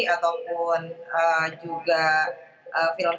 ataupun juga film film yang bergengsi